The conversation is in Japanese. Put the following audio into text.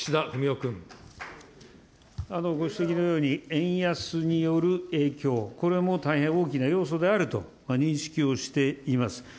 ご指摘のように、円安による影響、これも大変大きな要素であると認識をしています。